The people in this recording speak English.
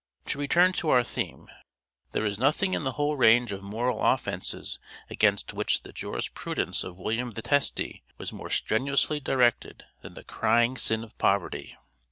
To return to our theme. There was nothing in the whole range of moral offences against which the jurisprudence of William the Testy was more strenuously directed than the crying sin of poverty.